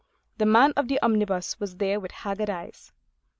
The man of the omnibus was there with haggard eyes.